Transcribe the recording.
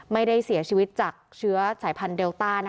ไม่ได้เสียชีวิตจากเชื้อสายพันธุเดลต้า